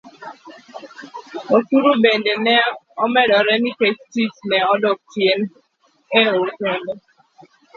Osuru bende ne omedore nikech tich ne odok chien e otende